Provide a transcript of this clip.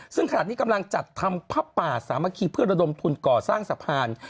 ซึ่งขณะนี้กำลังจัดทำผ้าป่าสามัคคีเพื่อระดมทุนก่อสร้างสะพาน